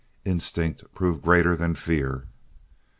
Instinct proved greater than fear.